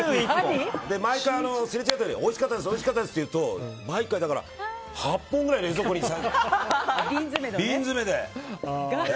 毎回すれ違うたびにおいしかったですって言うと毎回、８本冷蔵庫に瓶詰めで。